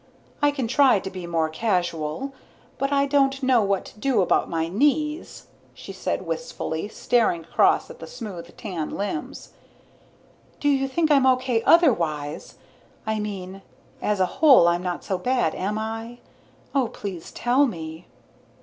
I can try to be more casual. But I don't know what to do about my knees," she said wistfully, staring across at the smooth, tan limbs. "Do you think I'm okay otherwise? I mean, as a whole I'm not so bad, am I? Oh, please tell me."